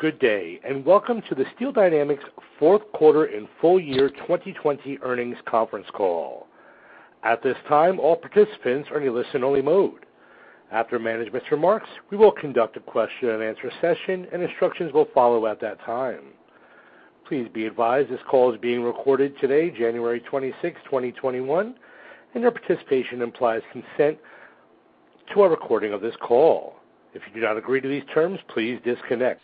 Good day, and welcome to the Steel Dynamics Fourth Quarter and Full Year 2020 Earnings Conference Call. At this time, all participants are in a listen-only mode. After management's remarks, we will conduct a question-and-answer session, and instructions will follow at that time. Please be advised this call is being recorded today, January 26, 2021, and your participation implies consent to our recording of this call. If you do not agree to these terms, please disconnect.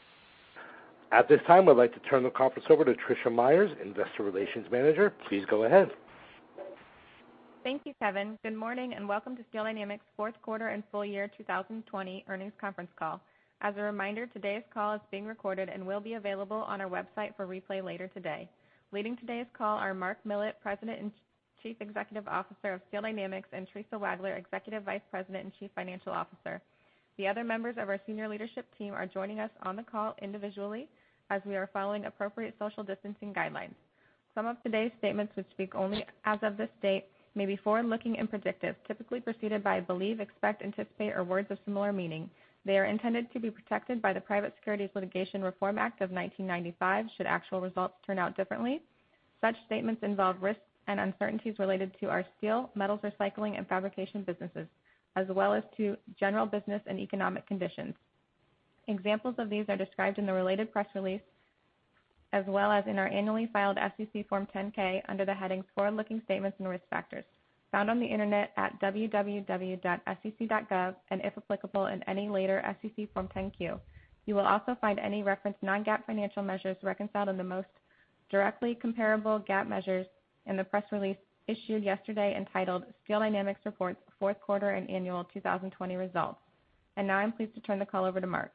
At this time, I'd like to turn the conference over to Tricia Meyers, Investor Relations Manager. Please go ahead. Thank you, Kevin. Good morning, and welcome to Steel Dynamics Fourth Quarter and Full Year 2020 Earnings Conference Call. As a reminder, today's call is being recorded and will be available on our website for replay later today. Leading today's call are Mark Millett, President and Chief Executive Officer of Steel Dynamics, and Theresa Wagler, Executive Vice President and Chief Financial Officer. The other members of our senior leadership team are joining us on the call individually as we are following appropriate social distancing guidelines. Some of today's statements would speak only as of this date, may be forward-looking and predictive, typically preceded by believe, expect, anticipate, or words of similar meaning. They are intended to be protected by the Private Securities Litigation Reform Act of 1995 should actual results turn out differently. Such statements involve risks and uncertainties related to our steel, metals recycling, and fabrication businesses, as well as to general business and economic conditions. Examples of these are described in the related press release as well as in our annually filed SEC Form 10-K under the headings Forward-looking Statements and Risk Factors, found on the internet at www.sec.gov and, if applicable, in any later SEC Form 10-Q. You will also find any reference non-GAAP financial measures reconciled in the most directly comparable GAAP measures in the press release issued yesterday entitled Steel Dynamics Reports Fourth Quarter and Annual 2020 Results. And now I'm pleased to turn the call over to Mark.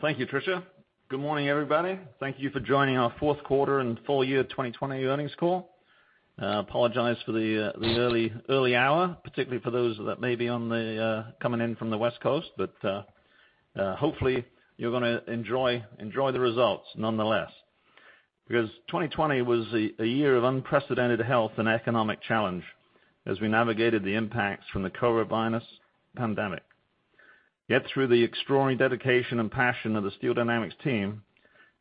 Thank you, Tricia. Good morning, everybody. Thank you for joining our Fourth Quarter and Full Year 2020 Earnings call. I apologize for the early hour, particularly for those that may be coming in from the West Coast, but hopefully you're going to enjoy the results nonetheless. Because 2020 was a year of unprecedented health and economic challenge as we navigated the impacts from the coronavirus pandemic. Yet through the extraordinary dedication and passion of the Steel Dynamics team,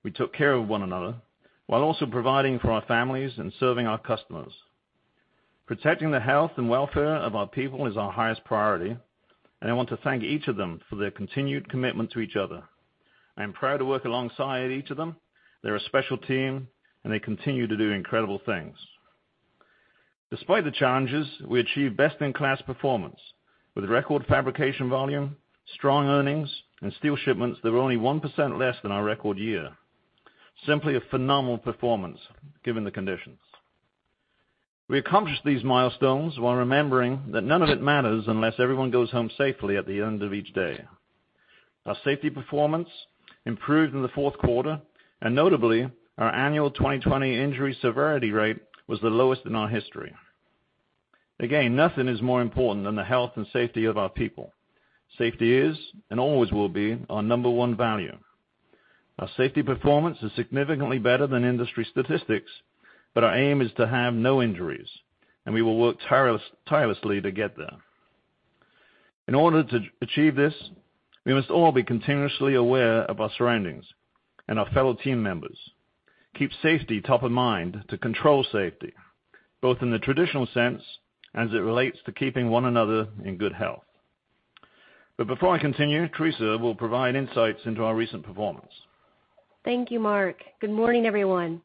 we took care of one another while also providing for our families and serving our customers. Protecting the health and welfare of our people is our highest priority, and I want to thank each of them for their continued commitment to each other. I am proud to work alongside each of them. They're a special team, and they continue to do incredible things. Despite the challenges, we achieved best-in-class performance with record fabrication volume, strong earnings, and steel shipments that were only 1% less than our record year. Simply a phenomenal performance given the conditions. We accomplished these milestones while remembering that none of it matters unless everyone goes home safely at the end of each day. Our safety performance improved in the fourth quarter, and notably, our annual 2020 injury severity rate was the lowest in our history. Again, nothing is more important than the health and safety of our people. Safety is, and always will be, our number one value. Our safety performance is significantly better than industry statistics, but our aim is to have no injuries, and we will work tirelessly to get there. In order to achieve this, we must all be continuously aware of our surroundings and our fellow team members. Keep safety top of mind to control safety, both in the traditional sense as it relates to keeping one another in good health. But before I continue, Theresa will provide insights into our recent performance. Thank you, Mark. Good morning, everyone.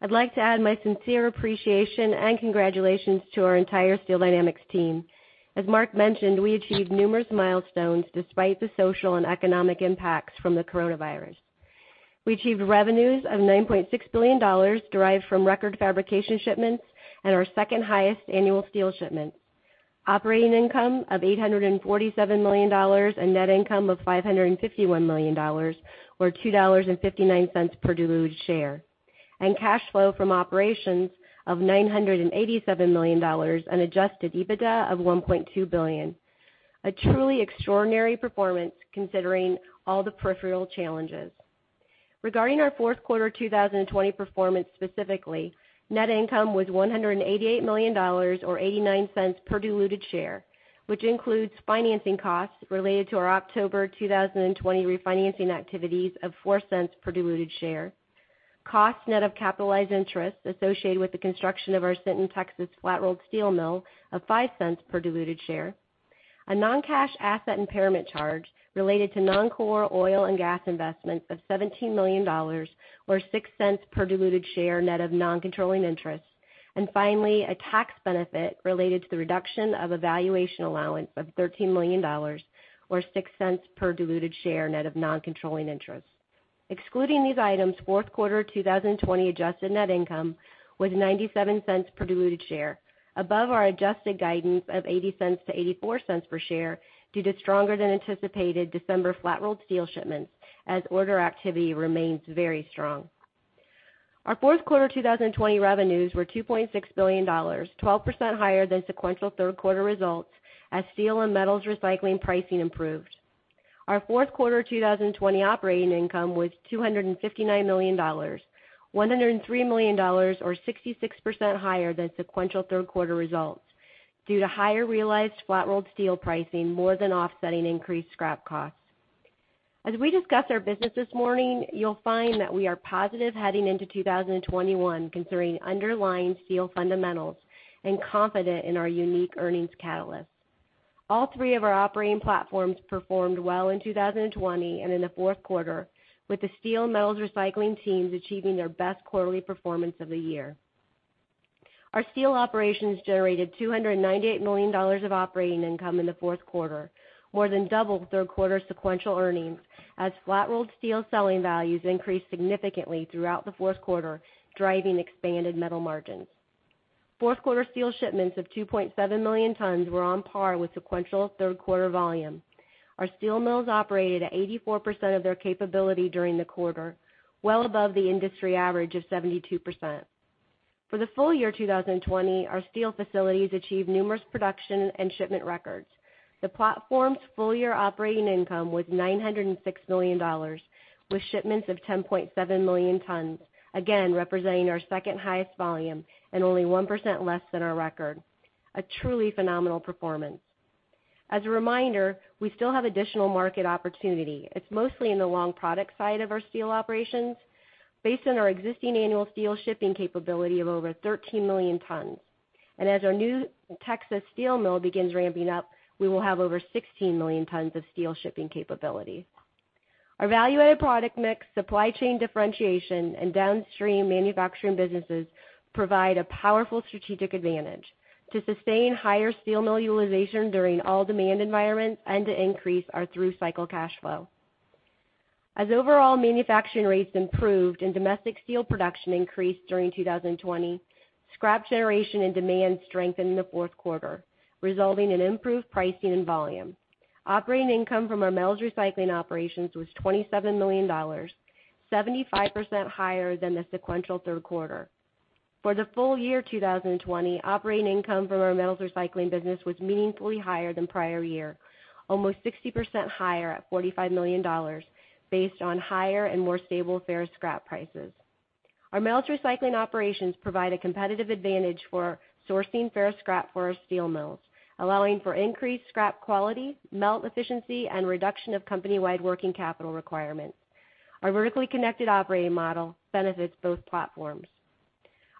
I'd like to add my sincere appreciation and congratulations to our entire Steel Dynamics team. As Mark mentioned, we achieved numerous milestones despite the social and economic impacts from the coronavirus. We achieved revenues of $9.6 billion derived from record fabrication shipments and our second highest annual steel shipments, operating income of $847 million and net income of $551 million, or $2.59 per diluted share, and cash flow from operations of $987 million and Adjusted EBITDA of $1.2 billion. A truly extraordinary performance considering all the peripheral challenges. Regarding our fourth quarter 2020 performance specifically, net income was $188 million, or $0.89 per diluted share, which includes financing costs related to our October 2020 refinancing activities of $0.04 per diluted share, cost net of capitalized interest associated with the construction of our Sinton, Texas, flat rolled steel mill of $0.05 per diluted share, a non-cash asset impairment charge related to non-core oil and gas investments of $17 million, or $0.06 per diluted share net of non-controlling interest, and finally, a tax benefit related to the reduction of a valuation allowance of $13 million, or $0.06 per diluted share net of non-controlling interest. Excluding these items, fourth quarter 2020 adjusted net income was $0.97 per diluted share, above our adjusted guidance of $0.80 to $0.84 per share due to stronger-than-anticipated December flat rolled steel shipments as order activity remains very strong. Our fourth quarter 2020 revenues were $2.6 billion, 12% higher than sequential third quarter results as steel and metals recycling pricing improved. Our fourth quarter 2020 operating income was $259 million, $103 million, or 66% higher than sequential third quarter results due to higher realized flat rolled steel pricing more than offsetting increased scrap costs. As we discuss our business this morning, you'll find that we are positive heading into 2021 considering underlying steel fundamentals and confident in our unique earnings catalyst. All three of our operating platforms performed well in 2020 and in the fourth quarter, with the steel and metals recycling teams achieving their best quarterly performance of the year. Our steel operations generated $298 million of operating income in the fourth quarter, more than double third quarter sequential earnings as flat rolled steel selling values increased significantly throughout the fourth quarter, driving expanded metal margins. Fourth quarter steel shipments of 2.7 million tons were on par with sequential third quarter volume. Our steel mills operated at 84% of their capability during the quarter, well above the industry average of 72%. For the full year 2020, our steel facilities achieved numerous production and shipment records. The platform's full year operating income was $906 million, with shipments of 10.7 million tons, again representing our second highest volume and only 1% less than our record. A truly phenomenal performance. As a reminder, we still have additional market opportunity. It's mostly in the long product side of our steel operations, based on our existing annual steel shipping capability of over 13 million tons, and as our new Texas steel mill begins ramping up, we will have over 16 million tons of steel shipping capability. Our value-added product mix, supply chain differentiation, and downstream manufacturing businesses provide a powerful strategic advantage to sustain higher steel mill utilization during all demand environments and to increase our through cycle cash flow. As overall manufacturing rates improved and domestic steel production increased during 2020, scrap generation and demand strengthened in the fourth quarter, resulting in improved pricing and volume. Operating income from our metals recycling operations was $27 million, 75% higher than the sequential third quarter. For the full year 2020, operating income from our metals recycling business was meaningfully higher than prior year, almost 60% higher at $45 million, based on higher and more stable ferrous scrap prices. Our metals recycling operations provide a competitive advantage for sourcing ferrous scrap for our steel mills, allowing for increased scrap quality, melt efficiency, and reduction of company-wide working capital requirements. Our vertically connected operating model benefits both platforms.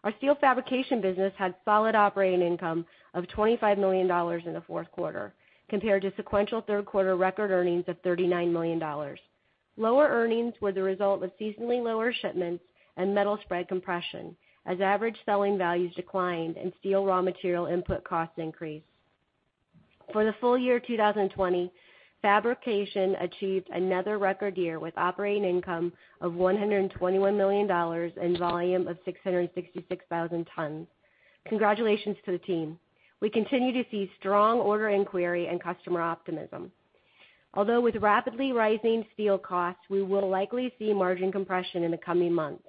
Our steel fabrication business had solid operating income of $25 million in the fourth quarter, compared to sequential third quarter record earnings of $39 million. Lower earnings were the result of seasonally lower shipments and metal spread compression as average selling values declined and steel raw material input costs increased. For the full year 2020, fabrication achieved another record year with operating income of $121 million and volume of 666,000 tons. Congratulations to the team. We continue to see strong order inquiry and customer optimism. Although with rapidly rising steel costs, we will likely see margin compression in the coming months.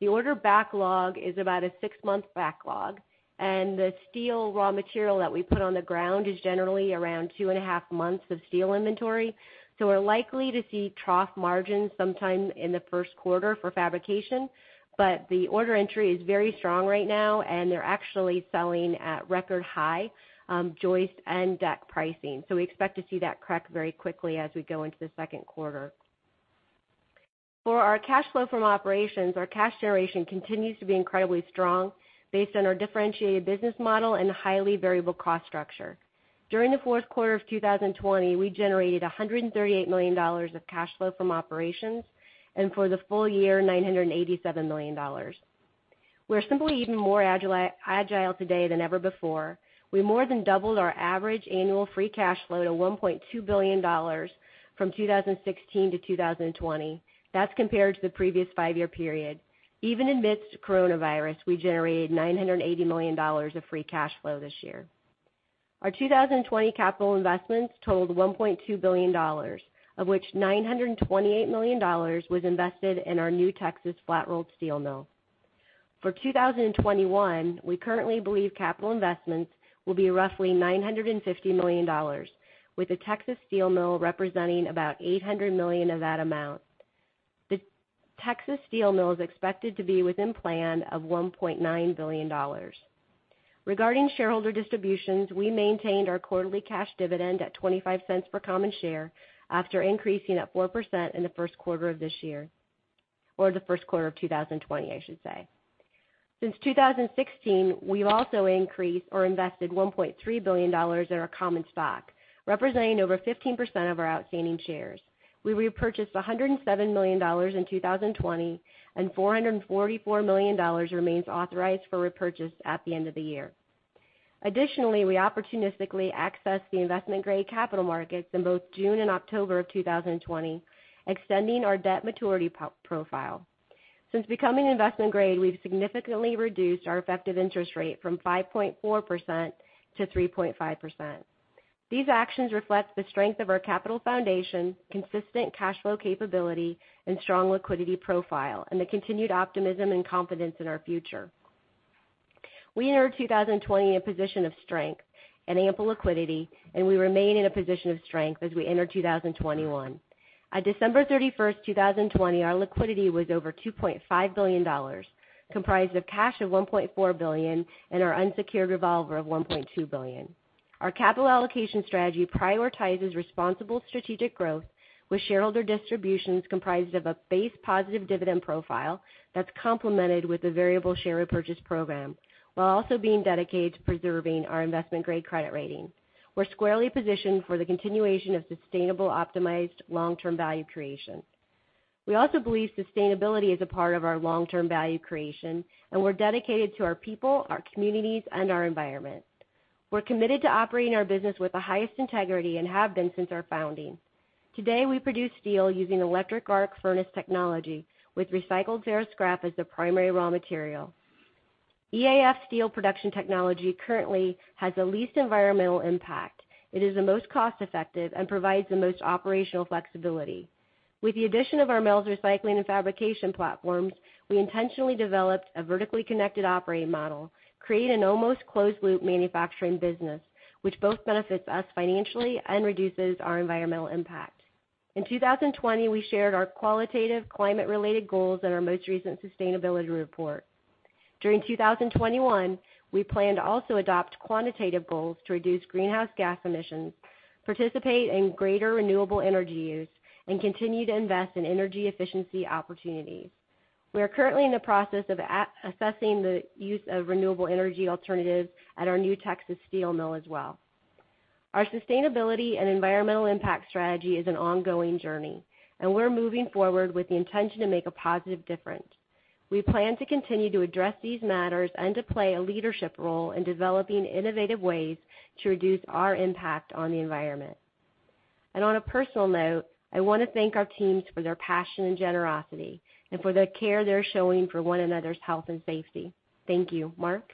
The order backlog is about a six-month backlog, and the steel raw material that we put on the ground is generally around two and a half months of steel inventory. So we're likely to see trough margins sometime in the first quarter for fabrication, but the order entry is very strong right now, and they're actually selling at record high joist and deck pricing. So we expect to see that turn very quickly as we go into the second quarter. For our cash flow from operations, our cash generation continues to be incredibly strong, based on our differentiated business model and highly variable cost structure. During the fourth quarter of 2020, we generated $138 million of cash flow from operations, and for the full year, $987 million. We're simply even more agile today than ever before. We more than doubled our average annual free cash flow to $1.2 billion from 2016 to 2020. That's compared to the previous five-year period. Even amidst coronavirus, we generated $980 million of free cash flow this year. Our 2020 capital investments totaled $1.2 billion, of which $928 million was invested in our new Texas flat rolled steel mill. For 2021, we currently believe capital investments will be roughly $950 million, with the Texas steel mill representing about $800 million of that amount. The Texas steel mill is expected to be within plan of $1.9 billion. Regarding shareholder distributions, we maintained our quarterly cash dividend at $0.25 per common share after increasing at 4% in the first quarter of this year, or the first quarter of 2020, I should say. Since 2016, we've also increased or invested $1.3 billion in our common stock, representing over 15% of our outstanding shares. We repurchased $107 million in 2020, and $444 million remains authorized for repurchase at the end of the year. Additionally, we opportunistically accessed the investment-grade capital markets in both June and October of 2020, extending our debt maturity profile. Since becoming investment-grade, we've significantly reduced our effective interest rate from 5.4% to 3.5%. These actions reflect the strength of our capital foundation, consistent cash flow capability, and strong liquidity profile, and the continued optimism and confidence in our future. We entered 2020 in a position of strength and ample liquidity, and we remain in a position of strength as we enter 2021. On December 31st, 2020, our liquidity was over $2.5 billion, comprised of cash of $1.4 billion and our unsecured revolver of $1.2 billion. Our capital allocation strategy prioritizes responsible strategic growth with shareholder distributions comprised of a base positive dividend profile that's complemented with a variable share repurchase program, while also being dedicated to preserving our investment-grade credit rating. We're squarely positioned for the continuation of sustainable optimized long-term value creation. We also believe sustainability is a part of our long-term value creation, and we're dedicated to our people, our communities, and our environment. We're committed to operating our business with the highest integrity and have been since our founding. Today, we produce steel using electric arc furnace technology with recycled ferrous scrap as the primary raw material. EAF steel production technology currently has the least environmental impact. It is the most cost-effective and provides the most operational flexibility. With the addition of our metals recycling and fabrication platforms, we intentionally developed a vertically connected operating model, creating an almost closed-loop manufacturing business, which both benefits us financially and reduces our environmental impact. In 2020, we shared our qualitative climate-related goals in our most recent sustainability report. During 2021, we planned to also adopt quantitative goals to reduce greenhouse gas emissions, participate in greater renewable energy use, and continue to invest in energy efficiency opportunities. We are currently in the process of assessing the use of renewable energy alternatives at our new Texas steel mill as well. Our sustainability and environmental impact strategy is an ongoing journey, and we're moving forward with the intention to make a positive difference. We plan to continue to address these matters and to play a leadership role in developing innovative ways to reduce our impact on the environment. And on a personal note, I want to thank our teams for their passion and generosity and for the care they're showing for one another's health and safety. Thank you, Mark.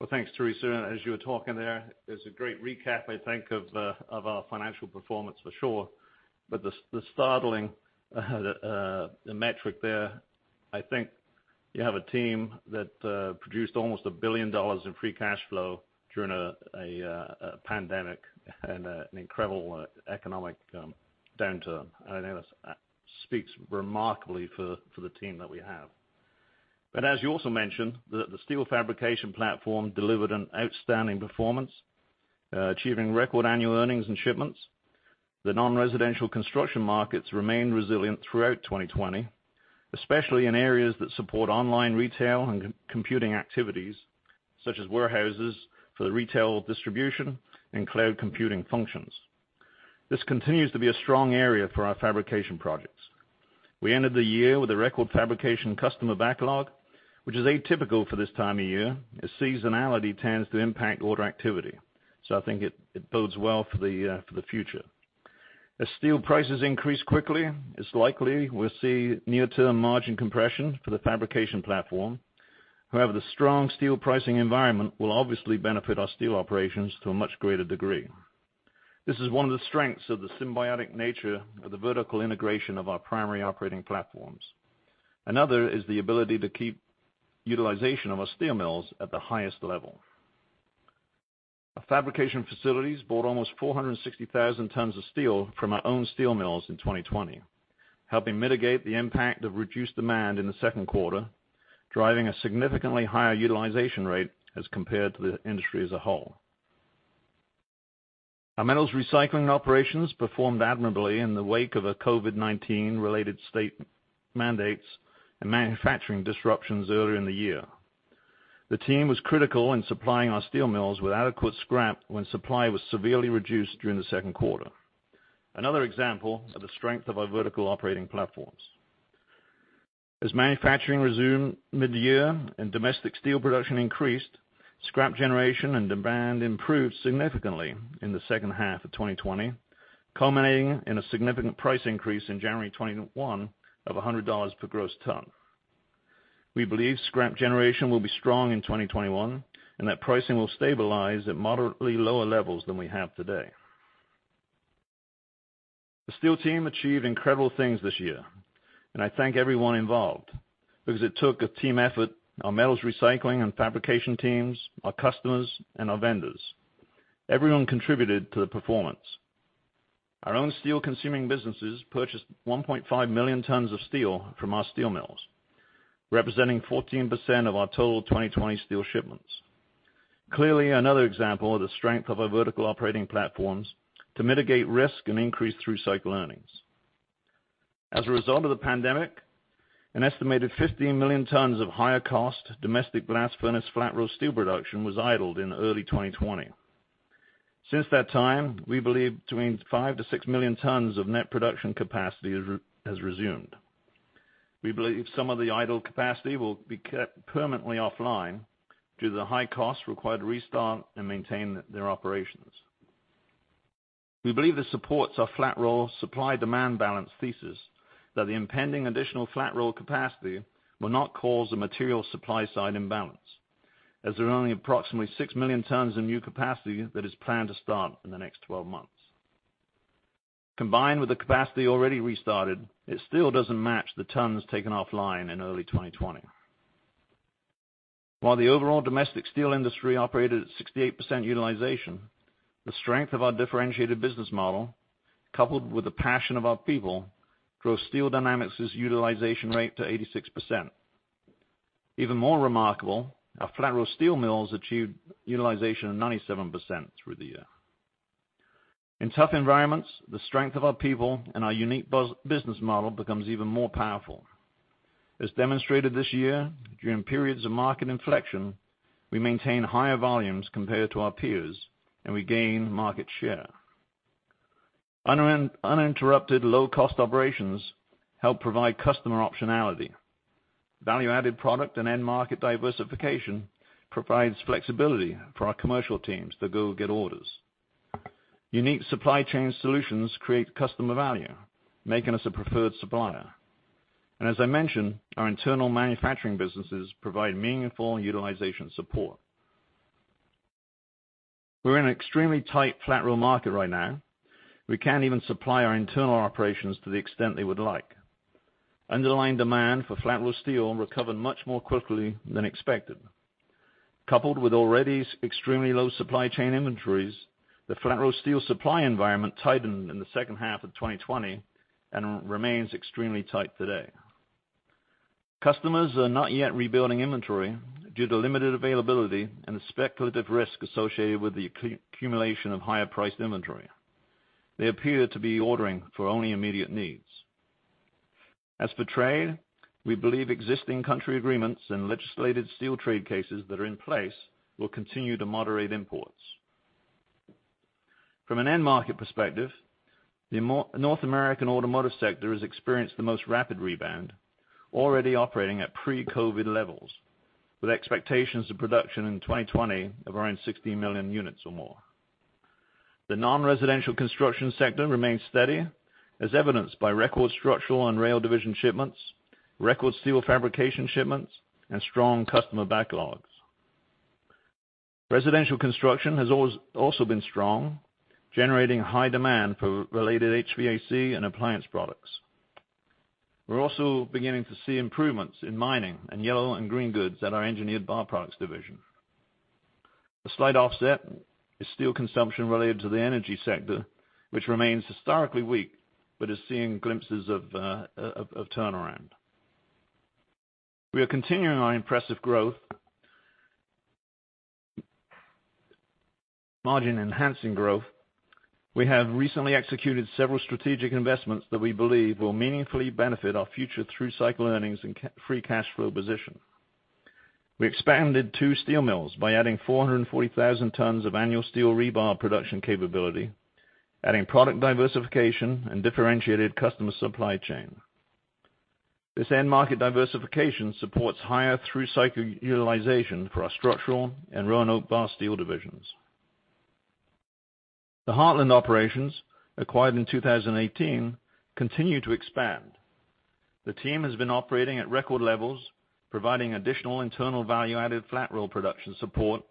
Well, thanks, Theresa. As you were talking there, it's a great recap, I think, of our financial performance for sure. But the startling metric there, I think you have a team that produced almost $1 billion in free cash flow during a pandemic and an incredible economic downturn. I think that speaks remarkably for the team that we have. But as you also mentioned, the steel fabrication platform delivered an outstanding performance, achieving record annual earnings and shipments. The non-residential construction markets remained resilient throughout 2020, especially in areas that support online retail and computing activities, such as warehouses for the retail distribution and cloud computing functions. This continues to be a strong area for our fabrication projects. We ended the year with a record fabrication customer backlog, which is atypical for this time of year. Seasonality tends to impact order activity. So I think it bodes well for the future. As steel prices increase quickly, it's likely we'll see near-term margin compression for the fabrication platform. However, the strong steel pricing environment will obviously benefit our steel operations to a much greater degree. This is one of the strengths of the symbiotic nature of the vertical integration of our primary operating platforms. Another is the ability to keep utilization of our steel mills at the highest level. Our fabrication facilities bought almost 460,000 tons of steel from our own steel mills in 2020, helping mitigate the impact of reduced demand in the second quarter, driving a significantly higher utilization rate as compared to the industry as a whole. Our metals recycling operations performed admirably in the wake of COVID-19-related state mandates and manufacturing disruptions earlier in the year. The team was critical in supplying our steel mills with adequate scrap when supply was severely reduced during the second quarter. Another example of the strength of our vertical operating platforms. As manufacturing resumed mid-year and domestic steel production increased, scrap generation and demand improved significantly in the second half of 2020, culminating in a significant price increase in January 2021 of $100 per gross ton. We believe scrap generation will be strong in 2021 and that pricing will stabilize at moderately lower levels than we have today. The steel team achieved incredible things this year, and I thank everyone involved because it took a team effort, our metals recycling and fabrication teams, our customers, and our vendors. Everyone contributed to the performance. Our own steel-consuming businesses purchased 1.5 million tons of steel from our steel mills, representing 14% of our total 2020 steel shipments. Clearly, another example of the strength of our vertical operating platforms to mitigate risk and increase through cycle earnings. As a result of the pandemic, an estimated 15 million tons of higher-cost domestic blast furnace flat roll steel production was idled in early 2020. Since that time, we believe between 5 to 6 million tons of net production capacity has resumed. We believe some of the idle capacity will be kept permanently offline due to the high costs required to restart and maintain their operations. We believe this supports our flat roll supply-demand balance thesis that the impending additional flat roll capacity will not cause a material supply-side imbalance, as there are only approximately 6 million tons of new capacity that is planned to start in the next 12 months. Combined with the capacity already restarted, it still doesn't match the tons taken offline in early 2020. While the overall domestic steel industry operated at 68% utilization, the strength of our differentiated business model, coupled with the passion of our people, drove Steel Dynamics' utilization rate to 86%. Even more remarkable, our flat roll steel mills achieved utilization of 97% through the year. In tough environments, the strength of our people and our unique business model becomes even more powerful. As demonstrated this year, during periods of market inflection, we maintain higher volumes compared to our peers, and we gain market share. Uninterrupted low-cost operations help provide customer optionality. Value-added product and end-market diversification provides flexibility for our commercial teams to go get orders. Unique supply chain solutions create customer value, making us a preferred supplier, and as I mentioned, our internal manufacturing businesses provide meaningful utilization support. We're in an extremely tight flat roll market right now. We can't even supply our internal operations to the extent they would like. Underlying demand for flat roll steel recovered much more quickly than expected. Coupled with already extremely low supply chain inventories, the flat roll steel supply environment tightened in the second half of 2020 and remains extremely tight today. Customers are not yet rebuilding inventory due to limited availability and the speculative risk associated with the accumulation of higher-priced inventory. They appear to be ordering for only immediate needs. As for trade, we believe existing country agreements and legislated steel trade cases that are in place will continue to moderate imports. From an end-market perspective, the North American automotive sector has experienced the most rapid rebound, already operating at pre-COVID levels, with expectations of production in 2020 of around 16 million units or more. The non-residential construction sector remains steady, as evidenced by record Structural and Rail Division Shipments, record steel fabrication shipments, and strong customer backlogs. Residential construction has also been strong, generating high demand for related HVAC and appliance products. We're also beginning to see improvements in mining and yellow and green goods at our Engineered Bar Products Division. A slight offset is steel consumption related to the energy sector, which remains historically weak but is seeing glimpses of turnaround. We are continuing our impressive margin-enhancing growth. We have recently executed several strategic investments that we believe will meaningfully benefit our future through cycle earnings and free cash flow position. We expanded two steel mills by adding 440,000 tons of annual steel rebar production capability, adding product diversification and differentiated customer supply chain. This end-market diversification supports higher through cycle utilization for our structural and rail, and engineered bar steel divisions. The Heartland operations, acquired in 2018, continue to expand. The team has been operating at record levels, providing additional internal value-added Flat Roll production support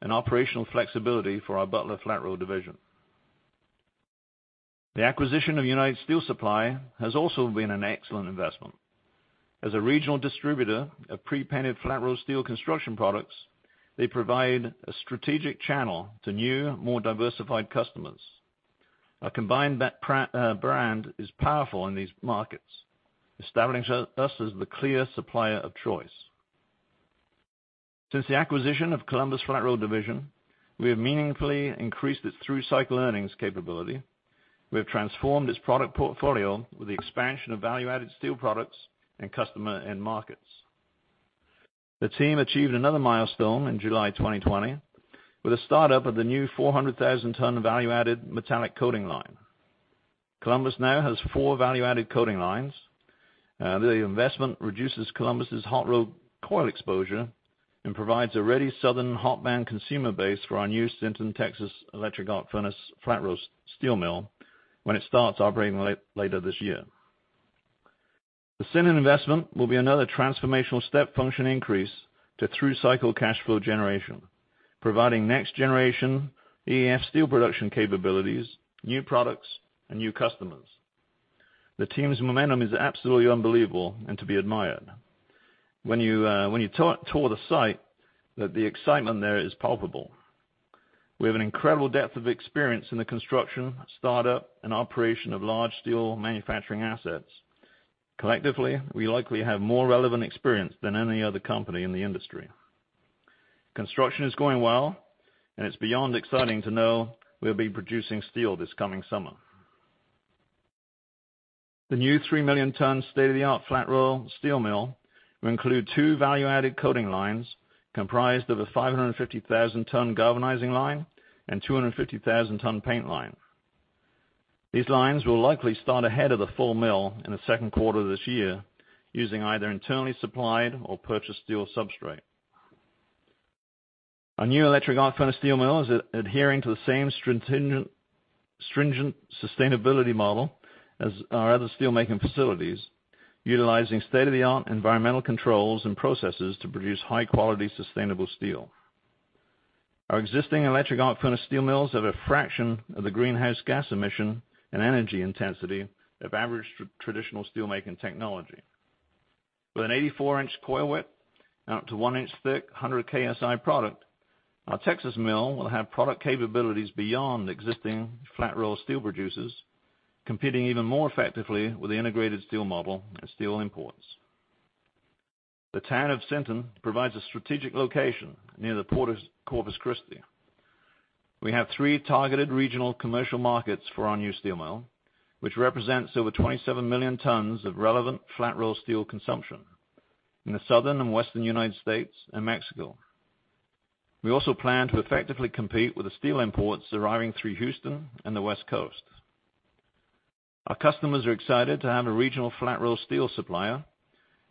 and operational flexibility for our Butler Flat Roll Division. The acquisition of United Steel Supply has also been an excellent investment. As a regional distributor of pre-painted flat roll steel construction products, they provide a strategic channel to new, more diversified customers. Our combined brand is powerful in these markets, establishing us as the clear supplier of choice. Since the acquisition of Columbus Flat Roll Division, we have meaningfully increased its through cycle earnings capability. We have transformed its product portfolio with the expansion of value-added steel products and customer end markets. The team achieved another milestone in July 2020 with the startup of the new 400,000-ton value-added metallic coating line. Columbus now has four value-added coating lines. The investment reduces Columbus's hot-rolled coil exposure and provides a ready southern hot-band consumer base for our new Sinton Texas, electric-arc-furnace flat roll steel mill when it starts operating later this year. The second investment will be another transformational step function increase to through cycle cash flow generation, providing next-generation EAF steel production capabilities, new products, and new customers. The team's momentum is absolutely unbelievable and to be admired. When you tour the site, the excitement there is palpable. We have an incredible depth of experience in the construction, startup, and operation of large steel manufacturing assets. Collectively, we likely have more relevant experience than any other company in the industry. Construction is going well, and it's beyond exciting to know we'll be producing steel this coming summer. The new 3-million-ton state-of-the-art flat roll steel mill will include two value-added coating lines comprised of a 550,000-ton galvanizing line and 250,000-ton paint line. These lines will likely start ahead of the full mill in the second quarter of this year using either internally supplied or purchased steel substrate. Our new electric-arc-furnace steel mill is adhering to the same stringent sustainability model as our other steelmaking facilities, utilizing state-of-the-art environmental controls and processes to produce high-quality sustainable steel. Our existing electric-arc-furnace steel mills have a fraction of the greenhouse gas emission and energy intensity of average traditional steelmaking technology. With an 84-inch coil width and up to one-inch thick 100 KSI product, our Texas mill will have product capabilities beyond existing flat roll steel producers, competing even more effectively with the integrated steel model and steel imports. The town of Sinton provides a strategic location near the Port of Corpus Christi. We have three targeted regional commercial markets for our new steel mill, which represents over 27 million tons of relevant flat roll steel consumption in the southern and western United States and Mexico. We also plan to effectively compete with the steel imports arriving through Houston and the West Coast. Our customers are excited to have a regional flat roll steel supplier.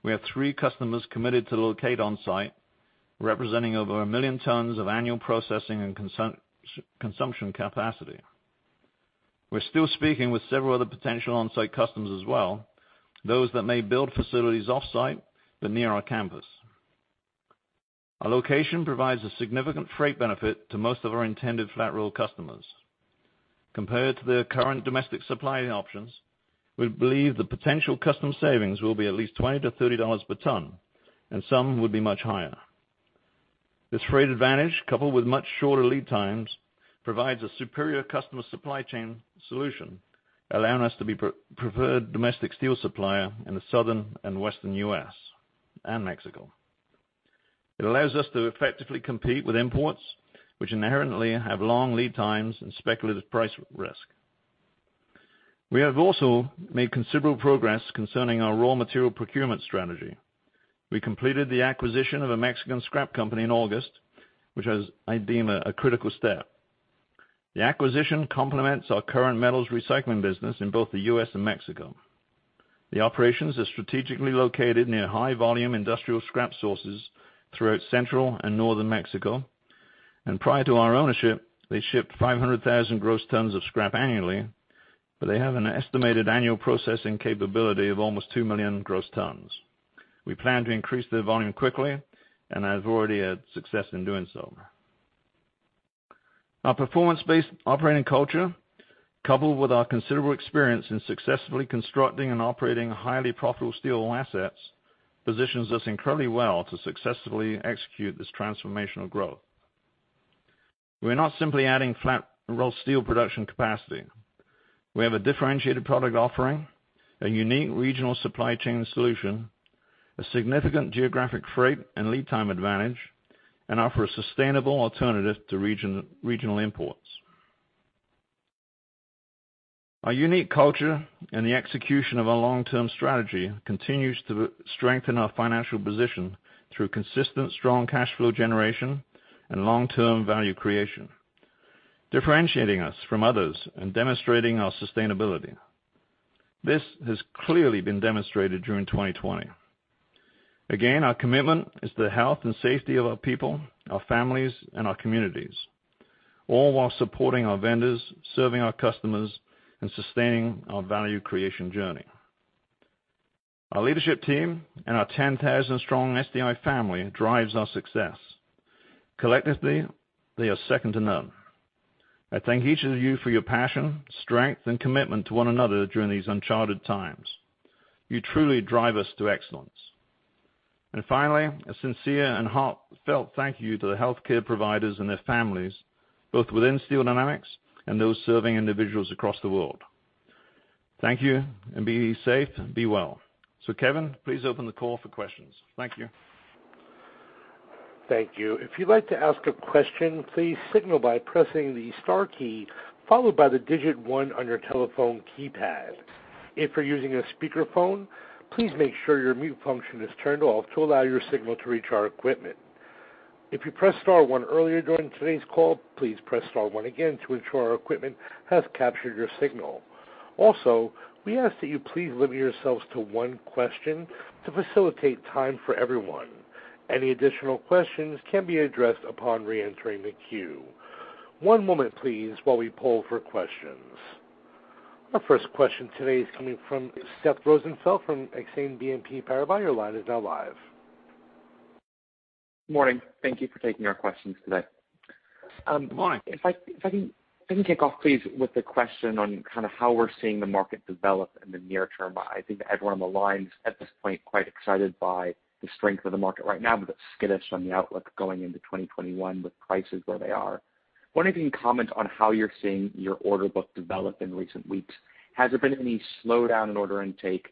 We have three customers committed to locate on-site, representing over a million tons of annual processing and consumption capacity. We're still speaking with several other potential on-site customers as well, those that may build facilities off-site but near our campus. Our location provides a significant freight benefit to most of our intended flat roll customers. Compared to their current domestic supply options, we believe the potential customer savings will be at least $20-$30 per ton, and some would be much higher. This freight advantage, coupled with much shorter lead times, provides a superior customer supply chain solution, allowing us to be a preferred domestic steel supplier in the southern and western U.S. and Mexico. It allows us to effectively compete with imports, which inherently have long lead times and speculative price risk. We have also made considerable progress concerning our raw material procurement strategy. We completed the acquisition of a Mexican scrap company in August, which I deem a critical step. The acquisition complements our current metals recycling business in both the U.S. and Mexico. The operations are strategically located near high-volume industrial scrap sources throughout central and northern Mexico. Prior to our ownership, they shipped 500,000 gross tons of scrap annually, but they have an estimated annual processing capability of almost 2 million gross tons. We plan to increase their volume quickly and have already had success in doing so. Our performance-based operating culture, coupled with our considerable experience in successfully constructing and operating highly profitable steel assets, positions us incredibly well to successfully execute this transformational growth. We're not simply adding flat roll steel production capacity. We have a differentiated product offering, a unique regional supply chain solution, a significant geographic freight and lead time advantage, and offer a sustainable alternative to regional imports. Our unique culture and the execution of our long-term strategy continue to strengthen our financial position through consistent, strong cash flow generation and long-term value creation, differentiating us from others and demonstrating our sustainability. This has clearly been demonstrated during 2020. Again, our commitment is the health and safety of our people, our families, and our communities, all while supporting our vendors, serving our customers, and sustaining our value creation journey. Our leadership team and our 10,000-strong SDI family drive our success. Collectively, they are second to none. I thank each of you for your passion, strength, and commitment to one another during these uncharted times. You truly drive us to excellence. And finally, a sincere and heartfelt thank you to the healthcare providers and their families, both within Steel Dynamics and those serving individuals across the world. Thank you, and be safe, be well. So Kevin, please open the call for questions. Thank you. Thank you. If you'd like to ask a question, please signal by pressing the star key followed by the digit one on your telephone keypad. If you're using a speakerphone, please make sure your mute function is turned off to allow your signal to reach our equipment. If you pressed star one earlier during today's call, please press star one again to ensure our equipment has captured your signal. Also, we ask that you please limit yourselves to one question to facilitate time for everyone. Any additional questions can be addressed upon re-entering the queue. One moment, please, while we poll for questions. Our first question today is coming from Seth Rosenfeld from Exane BNP Paribas. Your line is now live. Good morning. Thank you for taking our questions today. Good morning. If I can kick off, please, with the question on kind of how we're seeing the market develop in the near term, I think everyone on the line at this point is quite excited by the strength of the market right now, but it's skittish on the outlook going into 2021 with prices where they are. I wonder if you can comment on how you're seeing your order book develop in recent weeks. Has there been any slowdown in order intake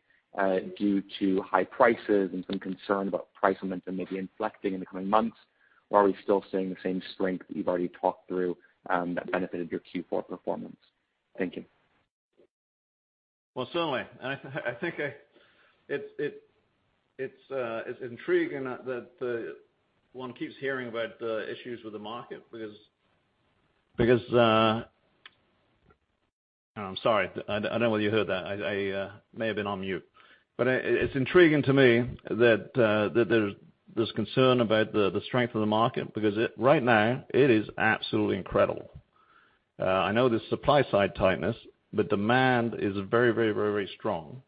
due to high prices and some concern about price momentum maybe inflecting in the coming months, or are we still seeing the same strength that you've already talked through that benefited your Q4 performance? Thank you. Certainly. I think it's intriguing that one keeps hearing about the issues with the market because. I'm sorry, I don't know whether you heard that. I may have been on mute. It's intriguing to me that there's concern about the strength of the market because right now it is absolutely incredible. I know there's supply-side tightness, but demand is very, very, very, very strong.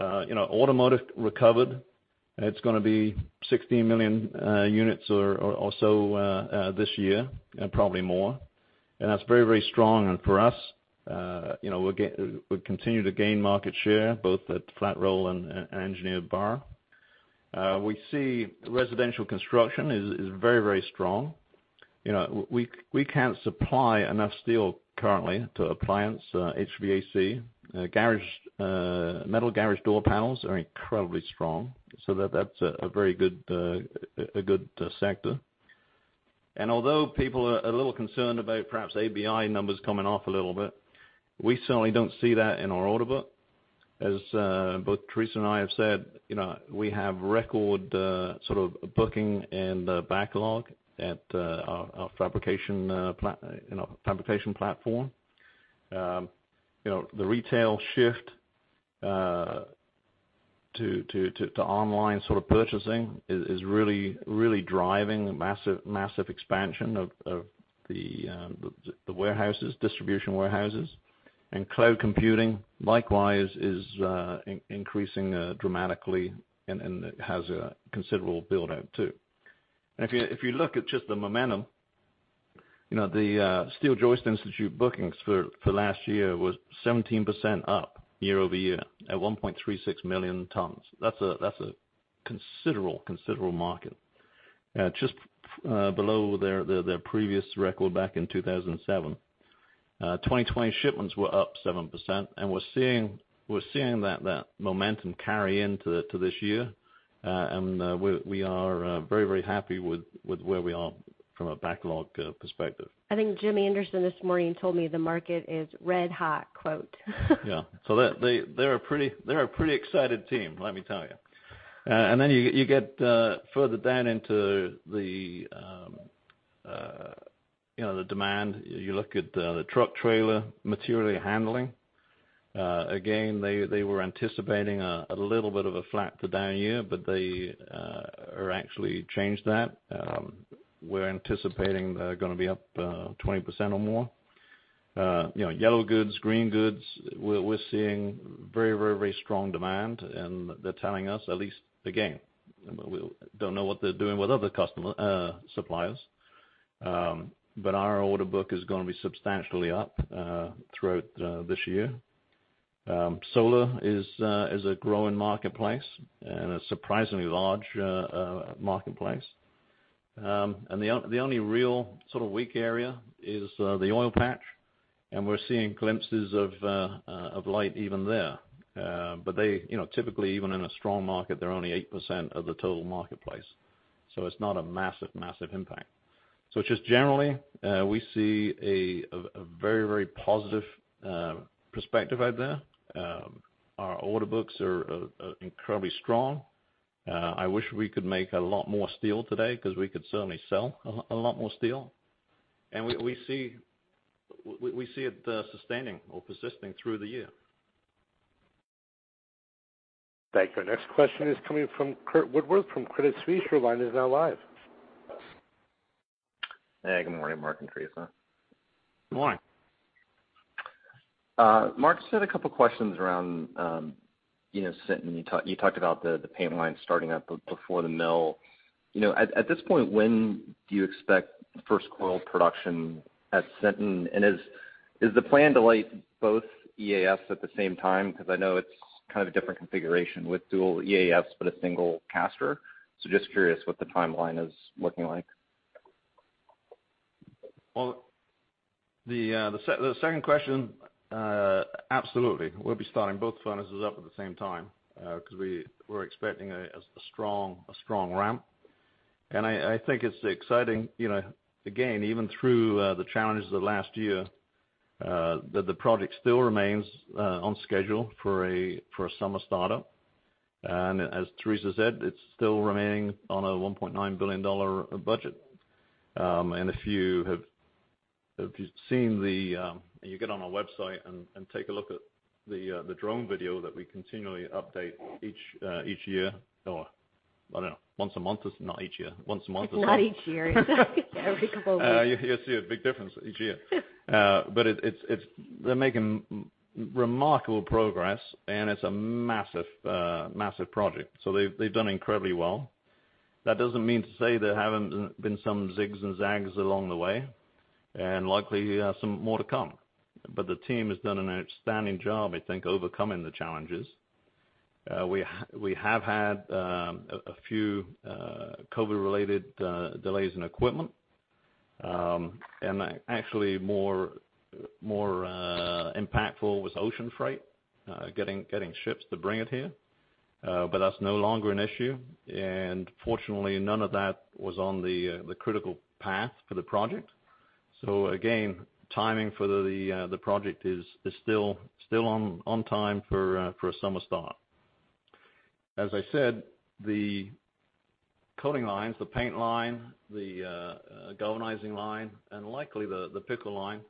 Automotive recovered. It's going to be 16 million units or so this year and probably more. That's very, very strong for us. We continue to gain market share, both at flat roll and engineered bar. We see residential construction is very, very strong. We can't supply enough steel currently to appliance, HVAC. Metal garage door panels are incredibly strong. That's a very good sector. Although people are a little concerned about perhaps ABI numbers coming off a little bit, we certainly don't see that in our order book. As both Theresa and I have said, we have record sort of booking and backlog at our fabrication platform. The retail shift to online sort of purchasing is really driving massive expansion of the distribution warehouses. Cloud computing, likewise, is increasing dramatically and has a considerable build-up too. If you look at just the momentum, the Steel Joist Institute bookings for last year were 17% up year over year at 1.36 million tons. That's a considerable market, just below their previous record back in 2007. 2020 shipments were up 7%. We're seeing that momentum carry into this year. We are very, very happy with where we are from a backlog perspective. I think Jimmy Anderson this morning told me the market is red-hot, quote. Yeah. So they're a pretty excited team, let me tell you. And then you get further down into the demand. You look at the truck trailer material handling. Again, they were anticipating a little bit of a flat to down year, but they are actually changed that. We're anticipating they're going to be up 20% or more. Yellow goods, green goods, we're seeing very, very, very strong demand. And they're telling us, at least again, we don't know what they're doing with other customer suppliers. But our order book is going to be substantially up throughout this year. Solar is a growing marketplace and a surprisingly large marketplace. And the only real sort of weak area is the oil patch. And we're seeing glimpses of light even there. But typically, even in a strong market, they're only 8% of the total marketplace. So it's not a massive, massive impact. So just generally, we see a very, very positive perspective out there. Our order books are incredibly strong. I wish we could make a lot more steel today because we could certainly sell a lot more steel. And we see it sustaining or persisting through the year. Thank you. Our next question is coming from Curt Woodworth from Credit Suisse. Your line is now live. Hey, good morning, Mark and Theresa. Good morning. Mark, just had a couple of questions around Sinton. You talked about the paint line starting up before the mill. At this point, when do you expect first coil production at Sinton? And is the plan to light both EAFs at the same time? Because I know it's kind of a different configuration with dual EAFs, but a single caster. So just curious what the timeline is looking like. The second question, absolutely. We'll be starting both furnaces up at the same time because we're expecting a strong ramp. I think it's exciting. Again, even through the challenges of last year, the project still remains on schedule for a summer startup. As Theresa said, it's still remaining on a $1.9 billion budget. If you have seen the, you get on our website and take a look at the drone video that we continually update each year, or I don't know, once a month or not each year. Once a month or something. Not each year. Every couple of months. You'll see a big difference each year. But they're making remarkable progress, and it's a massive project. So they've done incredibly well. That doesn't mean to say there haven't been some zigs and zags along the way. And likely, there are some more to come. But the team has done an outstanding job, I think, overcoming the challenges. We have had a few COVID-related delays in equipment. And actually, more impactful was ocean freight, getting ships to bring it here. But that's no longer an issue. And fortunately, none of that was on the critical path for the project. So again, timing for the project is still on time for a summer start. As I said, the coating lines, the paint line, the galvanizing line, and likely the pickle line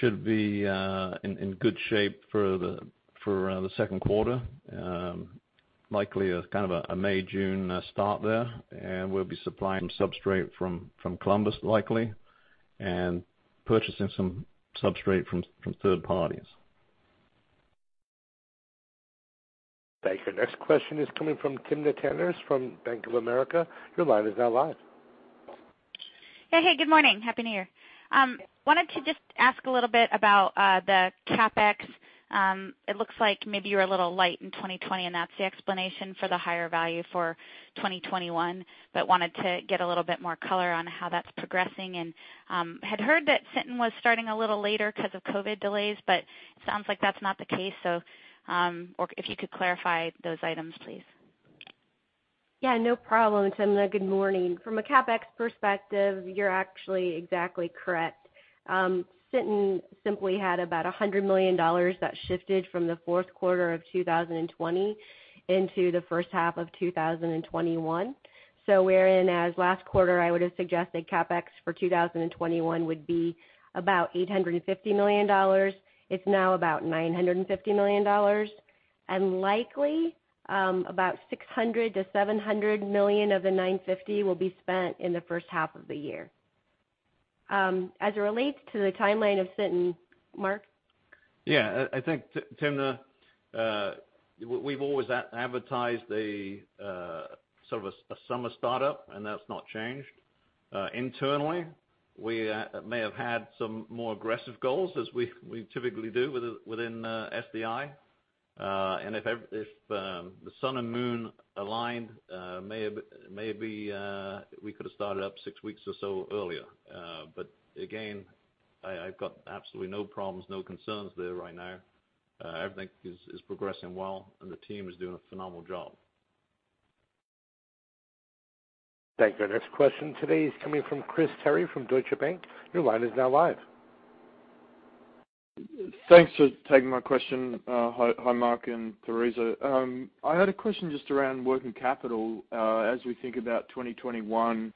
should be in good shape for the second quarter. Likely a kind of a May, June start there. We'll be supplying some substrate from Columbus, likely, and purchasing some substrate from third parties. Thank you. Our next question is coming from Timna Tanners from Bank of America. Your line is now live. Hey, hey. Good morning. Happy New Year. Wanted to just ask a little bit about the CapEx. It looks like maybe you were a little light in 2020, and that's the explanation for the higher value for 2021. But wanted to get a little bit more color on how that's progressing. And had heard that Sinton was starting a little later because of COVID delays, but it sounds like that's not the case. So if you could clarify those items, please. Yeah, no problem. Tim, good morning. From a CapEx perspective, you're actually exactly correct. Sinton simply had about $100 million that shifted from the fourth quarter of 2020 into the first half of 2021. So wherein as last quarter, I would have suggested CapEx for 2021 would be about $850 million. It's now about $950 million. And likely, about $600 million-$700 million of the $950 million will be spent in the first half of the year. As it relates to the timeline of Sinton, Mark? Yeah. I think, Tim, we've always advertised sort of a summer startup, and that's not changed. Internally, we may have had some more aggressive goals, as we typically do within SDI. And if the sun and moon aligned, maybe we could have started up six weeks or so earlier. But again, I've got absolutely no problems, no concerns there right now. Everything is progressing well, and the team is doing a phenomenal job. Thank you. Our next question today is coming from Chris Terry from Deutsche Bank. Your line is now live. Thanks for taking my question. Hi, Mark and Theresa. I had a question just around working capital as we think about 2021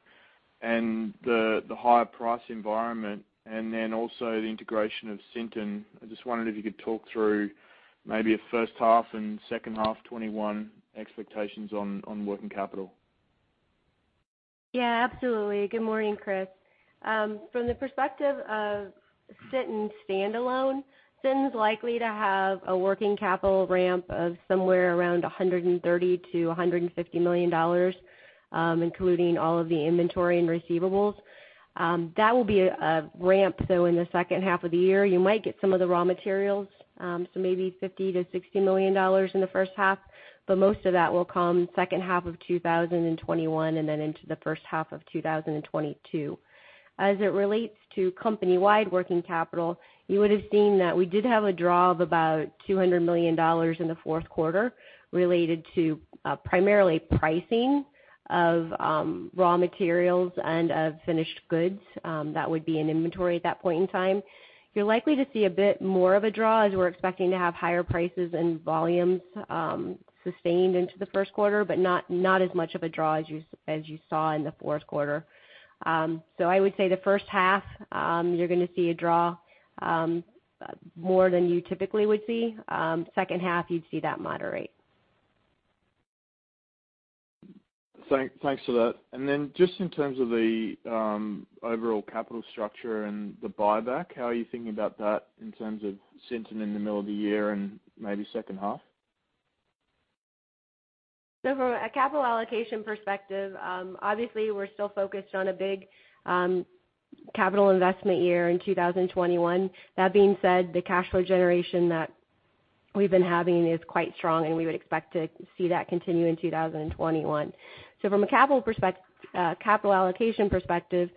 and the higher price environment, and then also the integration of Sinton. I just wondered if you could talk through maybe a first half and second half 2021 expectations on working capital. Yeah, absolutely. Good morning, Chris. From the perspective of Sinton standalone, Sinton's likely to have a working capital ramp of somewhere around $130-$150 million, including all of the inventory and receivables. That will be a ramp, though, in the second half of the year. You might get some of the raw materials, so maybe $50-$60 million in the first half. But most of that will come second half of 2021 and then into the first half of 2022. As it relates to company-wide working capital, you would have seen that we did have a draw of about $200 million in the fourth quarter related to primarily pricing of raw materials and of finished goods. That would be in inventory at that point in time. You're likely to see a bit more of a draw as we're expecting to have higher prices and volumes sustained into the first quarter, but not as much of a draw as you saw in the fourth quarter. So I would say the first half, you're going to see a draw more than you typically would see. Second half, you'd see that moderate. Thanks for that, and then just in terms of the overall capital structure and the buyback, how are you thinking about that in terms of Sinton in the middle of the year and maybe second half? So from a capital allocation perspective, obviously, we're still focused on a big capital investment year in 2021. That being said, the cash flow generation that we've been having is quite strong, and we would expect to see that continue in 2021. So from a capital allocation perspective,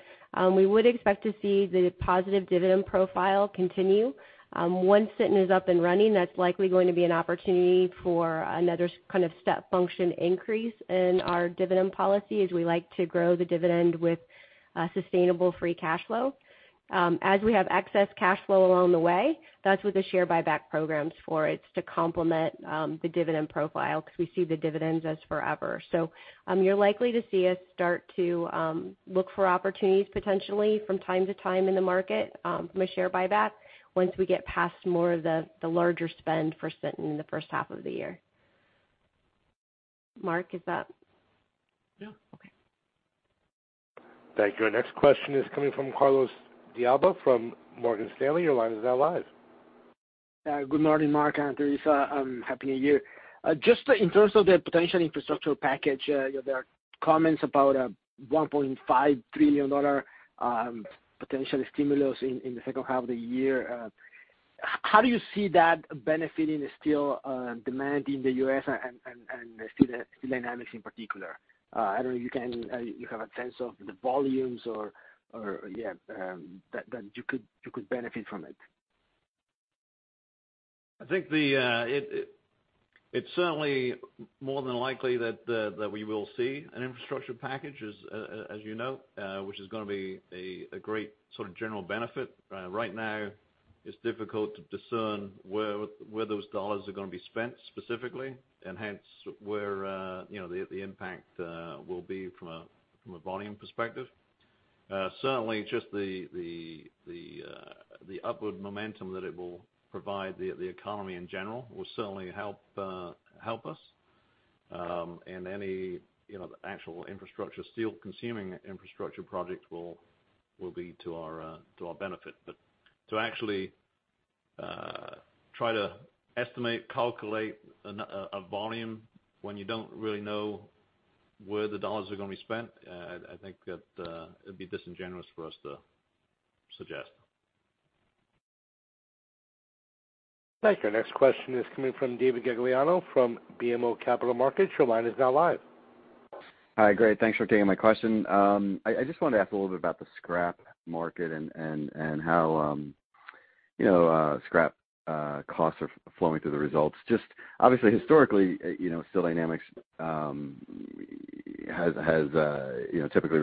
we would expect to see the positive dividend profile continue. Once Sinton is up and running, that's likely going to be an opportunity for another kind of step function increase in our dividend policy as we like to grow the dividend with sustainable free cash flow. As we have excess cash flow along the way, that's what the share buyback programs for. It's to complement the dividend profile because we see the dividends as forever. So you're likely to see us start to look for opportunities potentially from time to time in the market from a share buyback once we get past more of the larger spend for Sinton in the first half of the year. Mark, is that? Yeah. Okay. Thank you. Our next question is coming from Carlos De Alba from Morgan Stanley. Your line is now live. Good morning, Mark and Theresa. Happy New Year. Just in terms of the potential infrastructure package, there are comments about a $1.5 trillion potential stimulus in the second half of the year. How do you see that benefiting steel demand in the U.S. and Steel Dynamics in particular? I don't know if you have a sense of the volumes or that you could benefit from it. I think it's certainly more than likely that we will see an infrastructure package, as you know, which is going to be a great sort of general benefit. Right now, it's difficult to discern where those dollars are going to be spent specifically, and hence where the impact will be from a volume perspective. Certainly, just the upward momentum that it will provide the economy in general will certainly help us, and any actual infrastructure steel-consuming infrastructure project will be to our benefit, but to actually try to estimate, calculate a volume when you don't really know where the dollars are going to be spent, I think that it'd be disingenuous for us to suggest. Thank you. Our next question is coming from David Gagliano from BMO Capital Markets. Your line is now live. Hi, great. Thanks for taking my question. I just wanted to ask a little bit about the scrap market and how scrap costs are flowing through the results. Just obviously, historically, Steel Dynamics has typically